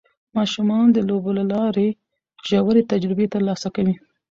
ماشومان د لوبو له لارې ژورې تجربې ترلاسه کوي